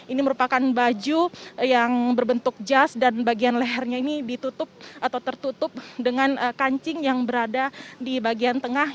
ini merupakan baju yang berbentuk jas dan bagian lehernya ini ditutup atau tertutup dengan kancing yang berada di bagian tengah